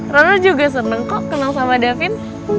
rana juga seneng kok kenal sama davin